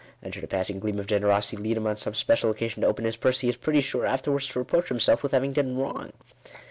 And should a pass ing gleam of generosity lead him on some special occasion to open his purse, he is pretty sure afterwards to reproach himself with having done wrong.